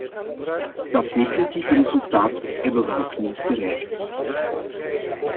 Dat definitieve resultaat hebben we nog niet bereikt.